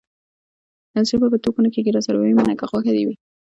ژوند په ټوکو نه کېږي. راسره ويې منه که خوښه دې وي.